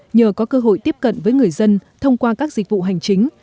nhờ có cơ hội tiếp cận với người dân thông qua các dịch vụ hành chính